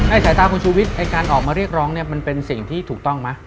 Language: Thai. สายตาคุณชูวิทย์ไอ้การออกมาเรียกร้องเนี่ยมันเป็นสิ่งที่ถูกต้องไหม